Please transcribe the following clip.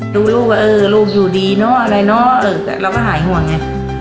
ดูลูกว่าเออลูกอยู่ดีเนอะอะไรเนาะเราก็หายห่วงไง